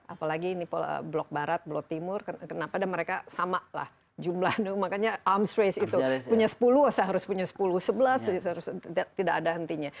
apalagi blok barat blok timur kenapa dan mereka sama lah jumlahnya makanya arms race itu punya sepuluh usah harus punya sepuluh sebelas tidak ada hentinya